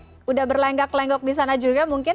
sudah berlenggak lenggok di sana juga mungkin